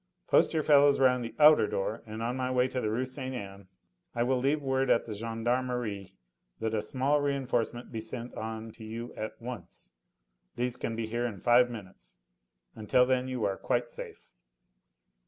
Post your fellows round the outer door, and on my way to the Rue Ste. Anne I will leave word at the gendarmerie that a small reinforcement be sent on to you at once. These can be here in five minutes; until then you are quite safe."